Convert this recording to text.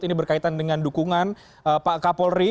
ini berkaitan dengan dukungan pak kapolri